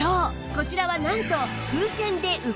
こちらはなんと